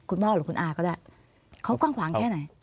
คุณพ่อหรือคุณอาก็ได้เขากว้างขวางแค่ไหน